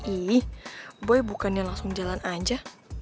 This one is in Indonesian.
ih boy bukannya langsung jalan aja